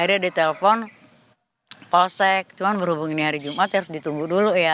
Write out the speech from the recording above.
akhirnya dia telpon polsek cuman berhubung ini hari jumat harus ditunggu dulu ya